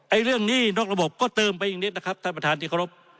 เรื่องหนี้นอกระบบก็เติมไปอีกนิดนะครับท่านประธานที่เคารพ